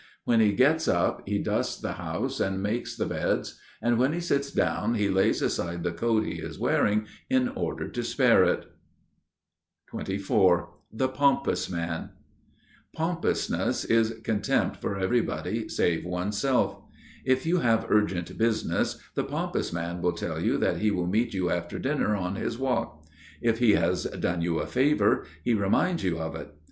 When he gets up, he dusts the house and makes the beds, and when he sits down he lays aside the coat he is wearing in order to spare it. Commander of a galley. XXIV The Pompous Man (Ὑπερηφανία) Pompousness is contempt for everybody save one's self. If you have urgent business, the pompous man will tell you that he will meet you after dinner on his walk. If he has done you a favor, he reminds you of it.